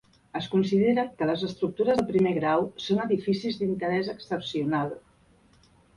Es considera que les estructures del primer grau són "edificis d'interès excepcional".